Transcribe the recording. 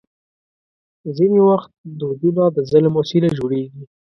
ځینې وخت دودونه د ظلم وسیله جوړېږي.